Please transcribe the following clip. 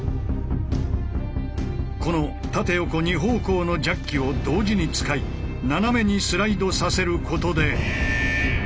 この縦横２方向のジャッキを同時に使い斜めにスライドさせることで。